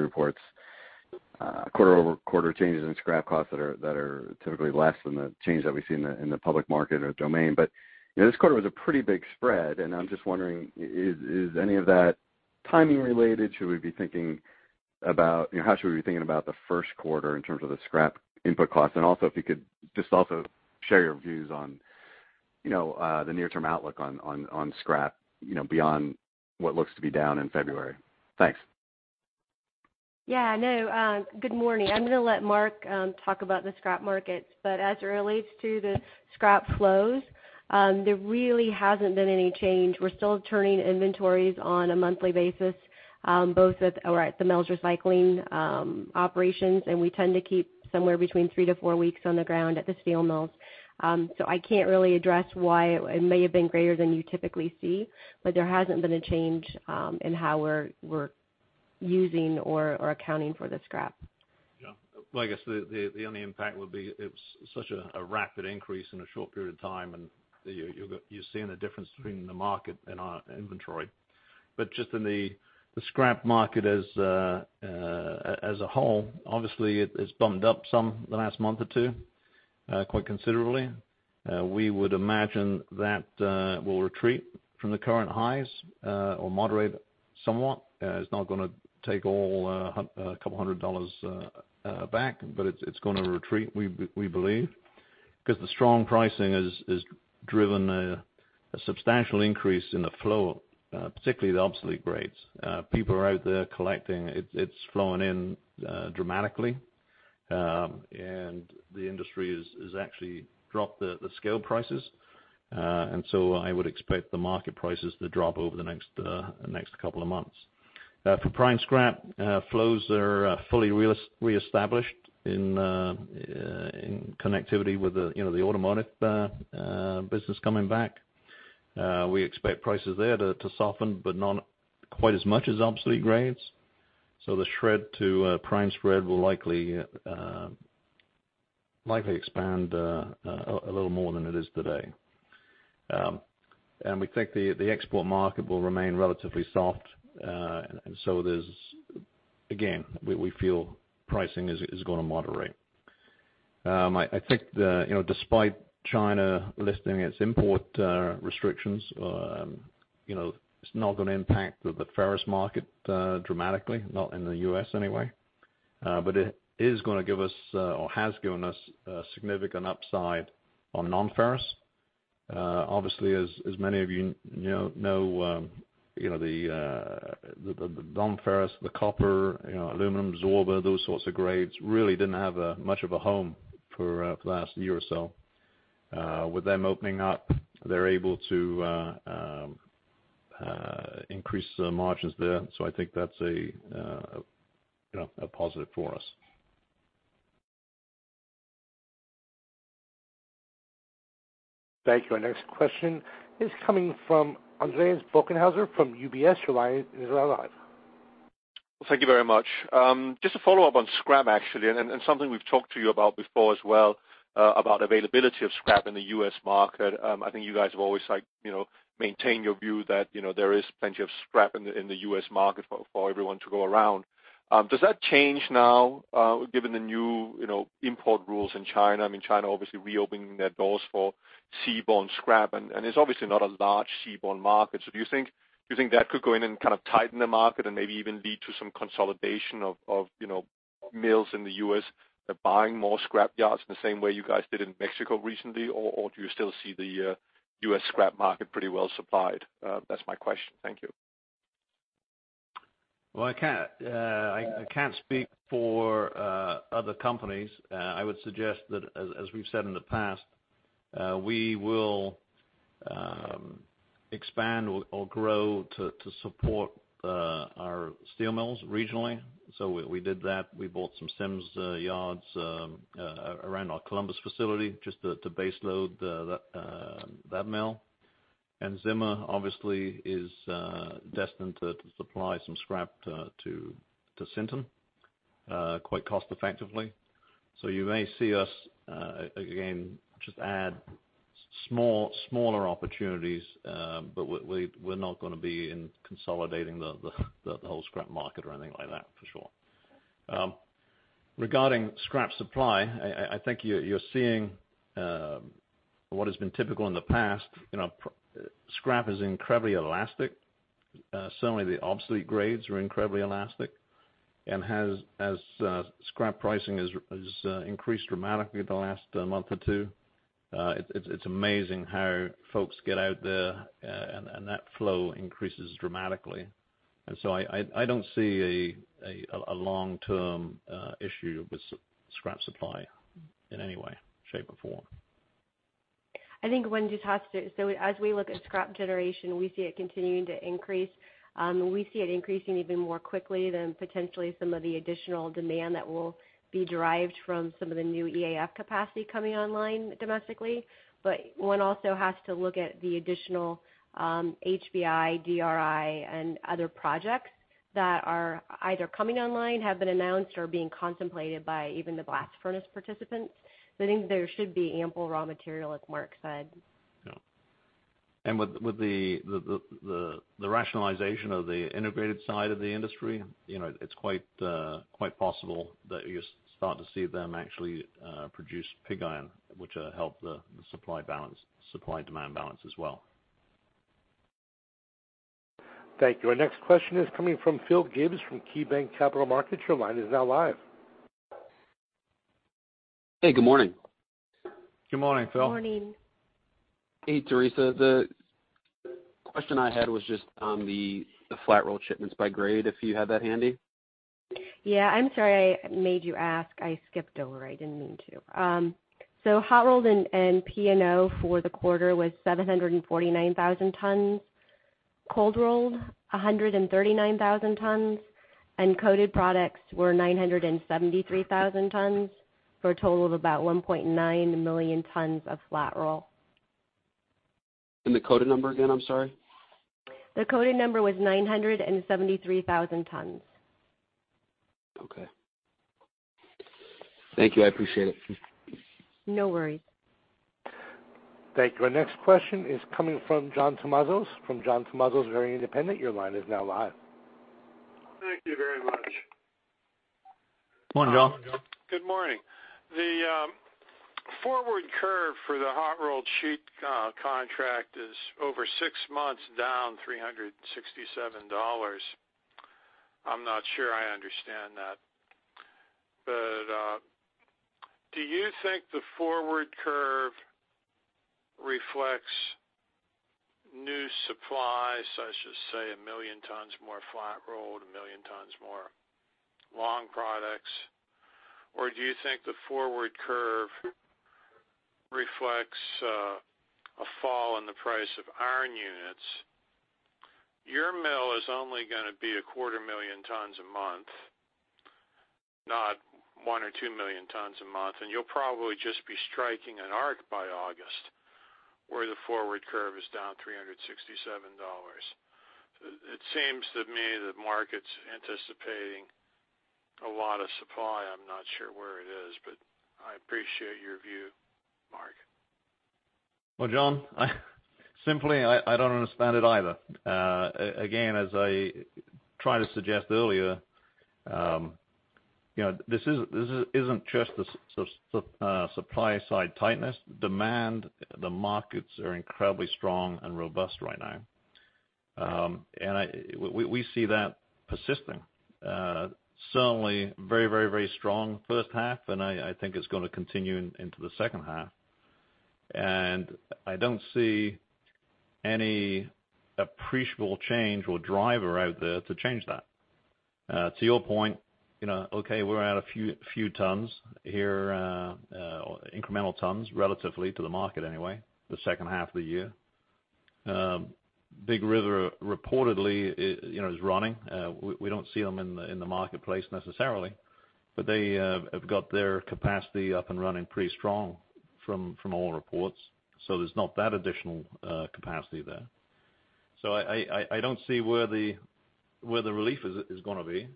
reported quarter-over-quarter changes in scrap costs that are typically less than the change that we see in the public market or domain. But this quarter was a pretty big spread. And I'm just wondering, is any of that timing related? Should we be thinking about the first quarter in terms of the scrap input costs? And also, if you could just also share your views on the near-term outlook on scrap beyond what looks to be down in February. Thanks. Yeah. No, good morning. I'm going to let Mark talk about the scrap markets. But as it relates to the scrap flows, there really hasn't been any change. We're still turning inventories on a monthly basis, both at the mills' recycling operations, and we tend to keep somewhere between three to four weeks on the ground at the steel mills. So I can't really address why it may have been greater than you typically see, but there hasn't been a change in how we're using or accounting for the scrap. Yeah. Well, I guess the only impact would be it's such a rapid increase in a short period of time, and you're seeing the difference between the market and our inventory. But just in the scrap market as a whole, obviously, it's bumped up some the last month or two, quite considerably. We would imagine that we'll retreat from the current highs or moderate somewhat. It's not going to take all $200 back, but it's going to retreat, we believe. Because the strong pricing has driven a substantial increase in the flow, particularly the obsolete grades. People are out there collecting. It's flowing in dramatically. And the industry has actually dropped the scale prices. And so I would expect the market prices to drop over the next couple of months. For prime scrap, flows are fully reestablished in connectivity with the automotive business coming back. We expect prices there to soften, but not quite as much as obsolete grades. So the shred to prime spread will likely expand a little more than it is today. And we think the export market will remain relatively soft. And so there's, again, we feel pricing is going to moderate. I think despite China lifting its import restrictions, it's not going to impact the ferrous market dramatically, not in the U.S. anyway. But it is going to give us or has given us a significant upside on non-ferrous. Obviously, as many of you know, the non-ferrous, the copper, aluminum, Zorba, those sorts of grades really didn't have much of a home for the last year or so. With them opening up, they're able to increase the margins there. So I think that's a positive for us. Thank you. Our next question is coming from Andreas Bokkenheuser from UBS. Your line is now live. Thank you very much. Just to follow up on scrap, actually, and something we've talked to you about before as well, about availability of scrap in the U.S. market. I think you guys have always maintained your view that there is plenty of scrap in the U.S. market for everyone to go around. Does that change now given the new import rules in China? I mean, China obviously reopening their doors for seaborne scrap. And it's obviously not a large seaborne market. So do you think that could go in and kind of tighten the market and maybe even lead to some consolidation of mills in the U.S. that are buying more scrap yards in the same way you guys did in Mexico recently? Or do you still see the U.S. scrap market pretty well supplied? That's my question. Thank you. I can't speak for other companies. I would suggest that, as we've said in the past, we will expand or grow to support our steel mills regionally. So we did that. We bought some Sims's yards around our Columbus facility just to base load that mill. And Zimmer, obviously, is destined to supply some scrap to Sinton quite cost-effectively. So you may see us, again, just add smaller opportunities, but we're not going to be in consolidating the whole scrap market or anything like that, for sure. Regarding scrap supply, I think you're seeing what has been typical in the past. Scrap is incredibly elastic. Certainly, the obsolete grades are incredibly elastic. And as scrap pricing has increased dramatically the last month or two, it's amazing how folks get out there, and that flow increases dramatically. And so I don't see a long-term issue with scrap supply in any way, shape, or form. I think when you talk to us, as we look at scrap generation, we see it continuing to increase. We see it increasing even more quickly than potentially some of the additional demand that will be derived from some of the new EAF capacity coming online domestically. But one also has to look at the additional HBI, DRI, and other projects that are either coming online, have been announced, or being contemplated by even the blast furnace participants. So I think there should be ample raw material, as Mark said. Yeah, and with the rationalization of the integrated side of the industry, it's quite possible that you start to see them actually produce pig iron, which will help the supply demand balance as well. Thank you. Our next question is coming from Phil Gibbs from KeyBanc Capital Markets. Your line is now live. Hey, good morning. Good morning, Phil. Good morning. Hey, Theresa. The question I had was just on the flat rolled shipments by grade, if you have that handy? Yeah. I'm sorry I made you ask. I skipped over. I didn't mean to. So hot rolled and P&O for the quarter was 749,000 tons. Cold rolled, 139,000 tons. And coated products were 973,000 tons for a total of about 1.9 million tons of flat roll. The coated number again, I'm sorry? The coated number was 973,000 tons. Okay. Thank you. I appreciate it. No worries. Thank you. Our next question is coming from John Tumazos. From John Tumazos, Very Independent Research, your line is now live. Thank you very much. Good morning, John. Good morning. The forward curve for the hot rolled sheet contract is over six months down $367. I'm not sure I understand that, but do you think the forward curve reflects new supply, such as, say, a million tons more flat rolled, a million tons more long products? Or do you think the forward curve reflects a fall in the price of iron units? Your mill is only going to be a quarter million tons a month, not one or two million tons a month, and you'll probably just be striking an arc by August where the forward curve is down $367. It seems to me the market's anticipating a lot of supply. I'm not sure where it is, but I appreciate your view, Mark. Well, John, simply, I don't understand it either. Again, as I tried to suggest earlier, this isn't just the supply-side tightness. Demand, the markets are incredibly strong and robust right now. And we see that persisting. Certainly, very, very, very strong first half, and I think it's going to continue into the second half. And I don't see any appreciable change or driver out there to change that. To your point, okay, we're at a few tons here, incremental tons relatively to the market anyway, the second half of the year. Big River Steel reportedly is running. We don't see them in the marketplace necessarily, but they have got their capacity up and running pretty strong from all reports. So there's not that additional capacity there. So I don't see where the relief is going to be.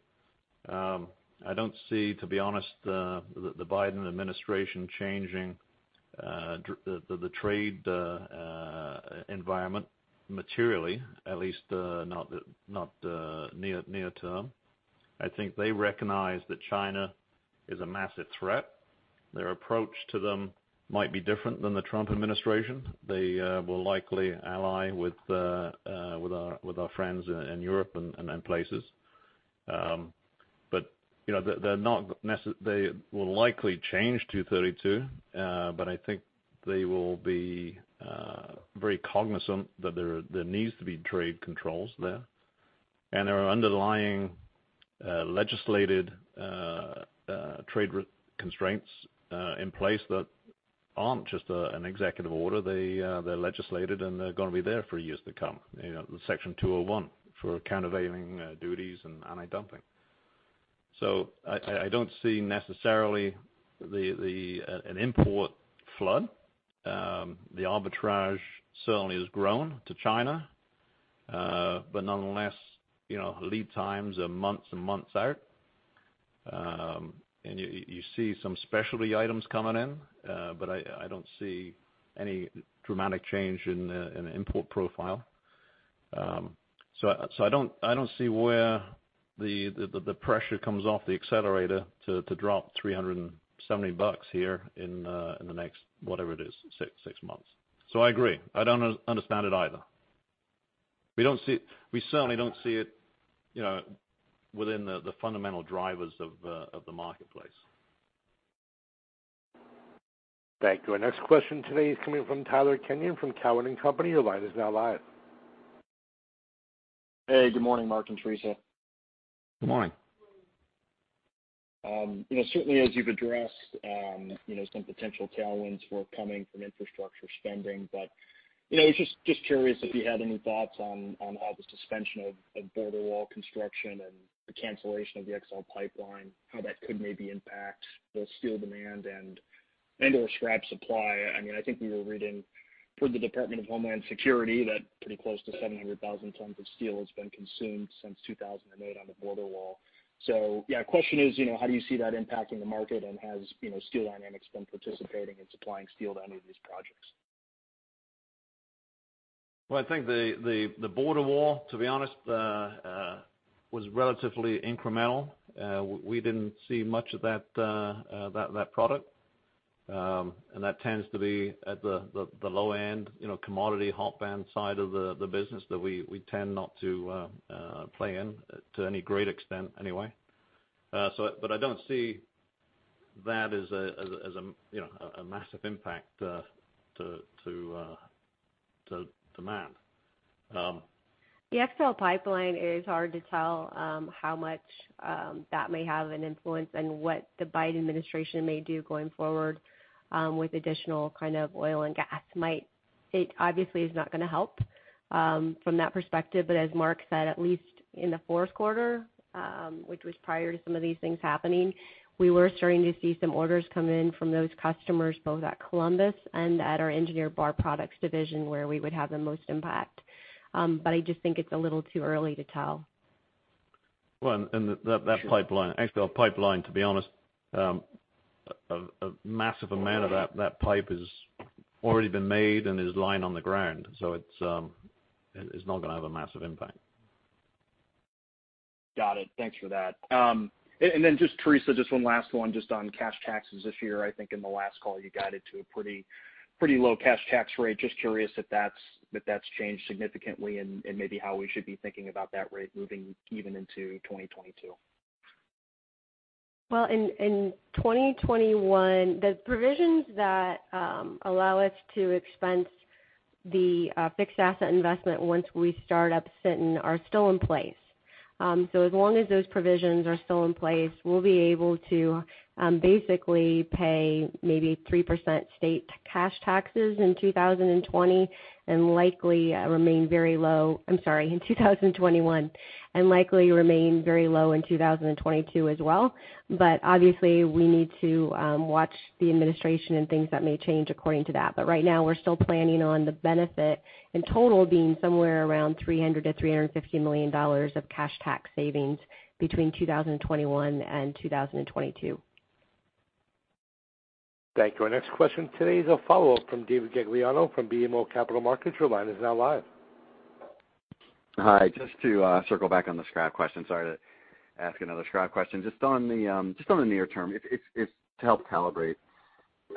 I don't see, to be honest, the Biden administration changing the trade environment materially, at least not near term. I think they recognize that China is a massive threat. Their approach to them might be different than the Trump administration. They will likely ally with our friends in Europe and places, but they will likely change 232, but I think they will be very cognizant that there needs to be trade controls there. And there are underlying legislated trade constraints in place that aren't just an executive order, and they're going to be there for years to come. The Section 201 for countervailing duties and anti-dumping. So I don't see necessarily an import flood. The arbitrage certainly has grown to China, but nonetheless, lead times are months and months out. And you see some specialty items coming in, but I don't see any dramatic change in the import profile. So I don't see where the pressure comes off the accelerator to drop $370 here in the next, whatever it is, six months. So I agree. I don't understand it either. We certainly don't see it within the fundamental drivers of the marketplace. Thank you. Our next question today is coming from Tyler Kenyon from Cowen and Company. Your line is now live. Hey, good morning, Mark and Theresa. Good morning. Certainly, as you've addressed, some potential tailwinds were coming from infrastructure spending. But just curious if you had any thoughts on how the suspension of border wall construction and the cancellation of the XL pipeline, how that could maybe impact both steel demand and/or scrap supply. I mean, I think we were reading from the Department of Homeland Security that pretty close to 700,000 tons of steel has been consumed since 2008 on the border wall. So yeah, the question is, how do you see that impacting the market, and has Steel Dynamics been participating in supplying steel to any of these projects? I think the border wall, to be honest, was relatively incremental. We didn't see much of that product. And that tends to be at the low-end commodity hot-band side of the business that we tend not to play in to any great extent anyway. But I don't see that as a massive impact to demand. The XL pipeline is hard to tell how much that may have an influence, and what the Biden administration may do going forward with additional kind of oil and gas. It obviously is not going to help from that perspective. But as Mark said, at least in the fourth quarter, which was prior to some of these things happening, we were starting to see some orders come in from those customers, both at Columbus and at our Engineered Bar Products Division, where we would have the most impact. But I just think it's a little too early to tell. That pipeline, XL pipeline, to be honest, a massive amount of that pipe has already been made and is lying on the ground, so it's not going to have a massive impact. Got it. Thanks for that, and then just, Theresa, just one last one just on cash taxes this year. I think in the last call, you guided to a pretty low cash tax rate. Just curious if that's changed significantly and maybe how we should be thinking about that rate moving even into 2022. In 2021, the provisions that allow us to expense the fixed asset investment once we start up Sinton are still in place. So as long as those provisions are still in place, we'll be able to basically pay maybe 3% state cash taxes in 2020 and likely remain very low. I'm sorry, in 2021, and likely remain very low in 2022 as well. But obviously, we need to watch the administration and things that may change according to that. But right now, we're still planning on the benefit in total being somewhere around $300 to $350 million of cash tax savings between 2021 and 2022. Thank you. Our next question today is a follow-up from David Gagliano from BMO Capital Markets. Your line is now live. Hi. Just to circle back on the scrap question, sorry to ask another scrap question. Just on the near term, to help calibrate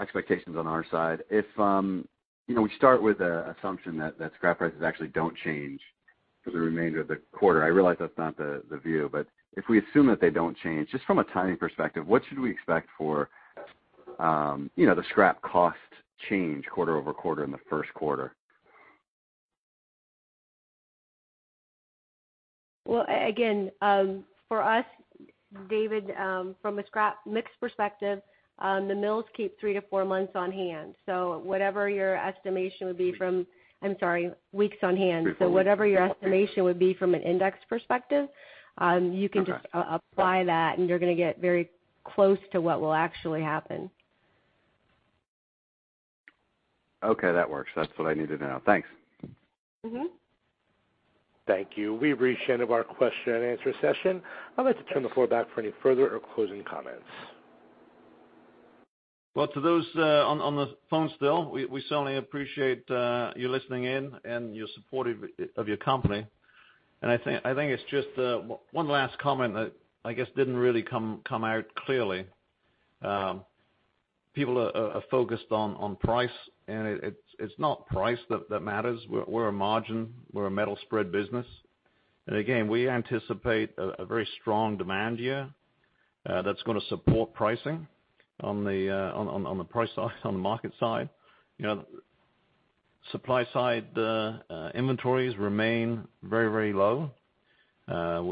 expectations on our side, if we start with the assumption that scrap prices actually don't change for the remainder of the quarter - I realize that's not the view - but if we assume that they don't change, just from a timing perspective, what should we expect for the scrap cost change quarter over quarter in the first quarter? Again, for us, David, from a scrap mix perspective, the mills keep three-to-four months on hand. So whatever your estimation would be from, I'm sorry, weeks on hand. So whatever your estimation would be from an index perspective, you can just apply that, and you're going to get very close to what will actually happen. Okay. That works. That's what I needed to know. Thanks. Thank you. We've reached the end of our question and answer session. I'd like to turn the floor back for any further or closing comments. To those on the phone still, we certainly appreciate you listening in and your support of your company, and I think it's just one last comment that I guess didn't really come out clearly. People are focused on price, and it's not price that matters. We're a margin. We're a metal spread business, and again, we anticipate a very strong demand year that's going to support pricing on the price side, on the market side. Supply-side inventories remain very, very low.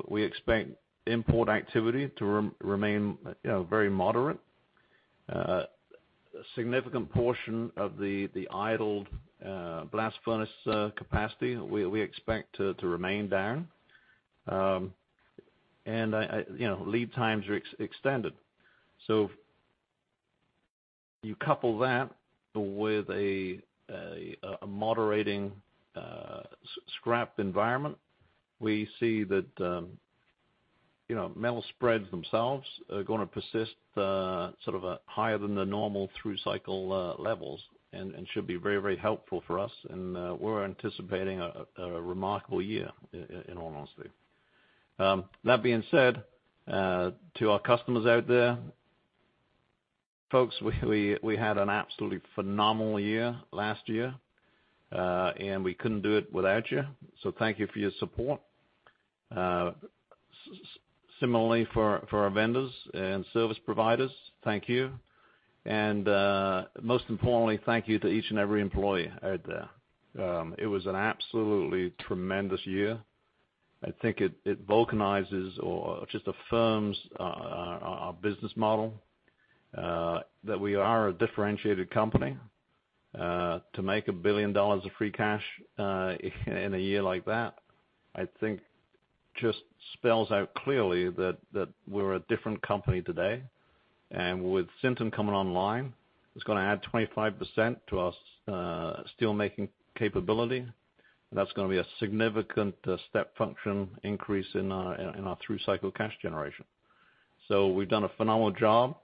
We expect import activity to remain very moderate. A significant portion of the idled blast furnace capacity we expect to remain down, and lead times are extended, so you couple that with a moderating scrap environment, we see that metal spreads themselves are going to persist sort of higher than the normal through cycle levels and should be very, very helpful for us. We're anticipating a remarkable year, in all honesty. That being said, to our customers out there, folks, we had an absolutely phenomenal year last year, and we couldn't do it without you. Thank you for your support. Similarly, for our vendors and service providers, thank you. Most importantly, thank you to each and every employee out there. It was an absolutely tremendous year. I think it vulcanizes or just affirms our business model that we are a differentiated company. To make $1 billion of free cash in a year like that, I think just spells out clearly that we're a different company today. With Sinton coming online, it's going to add 25% to our steelmaking capability. That's going to be a significant step function increase in our through cycle cash generation. We've done a phenomenal job,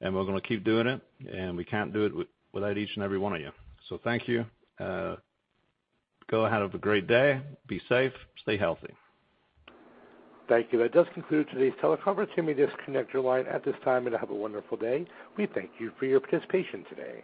and we're going to keep doing it. We can't do it without each and every one of you. Thank you. Go ahead and have a great day. Be safe. Stay healthy. Thank you. That does conclude today's teleconference. You may disconnect your line at this time, and have a wonderful day. We thank you for your participation today.